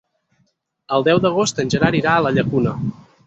El deu d'agost en Gerard irà a la Llacuna.